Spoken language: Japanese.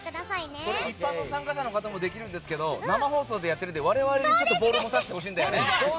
これ、一般の参加者の方もできるんですけど生放送でやってるので我々にボールを持たせてほしいんです。